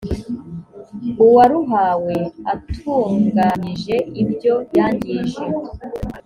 uwaruhawe atunganyije ibyo yangije